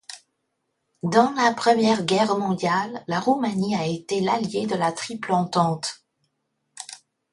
Dans la Première Guerre mondiale, la Roumanie a été l'alliée de la Triple-Entente.